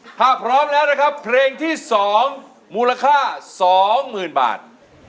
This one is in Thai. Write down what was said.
ถ้าพร้อมแล้วนะครับเพลงที่๒มูลค่า๒๐๐๐บาท